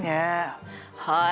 はい。